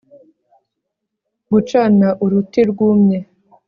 gucana uruti rwumye